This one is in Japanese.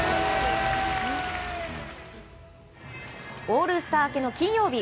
オールスター明けの金曜日。